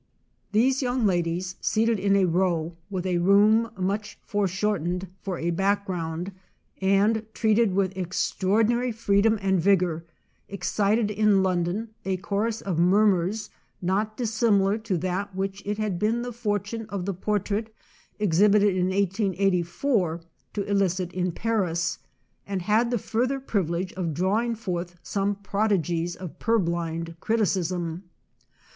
These young ladies, seated in a rowr, with a room much foreshortened for a background, and treated with ex traordinary freedom and vigor, excited in London a chorus of murmurs not dissimi lar to that which it had been the fortune of the portrait exhibited in 1884 to elicit in Paris, and had the further privilege of drawing forth some prodigies of purblind criticism.